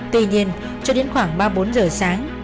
tuy nhiên cho đến khoảng ba bốn giờ sáng